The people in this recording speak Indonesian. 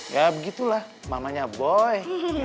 ya begitulah mamanya boy